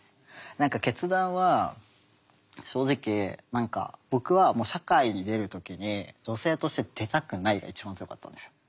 何か決断は正直何か僕はもう社会に出る時に女性として出たくないが一番強かったんですよ。